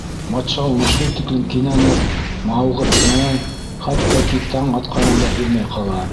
Батша уны шул тиклем кинәнеп, мауығып тыңлай, хатта ки таң атҡанын да һиҙмәй ҡала.